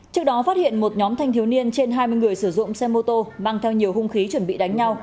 trước đó phát hiện một nhóm thanh thiếu niên trên hai mươi người sử dụng xe mô tô mang theo nhiều hung khí chuẩn bị đánh nhau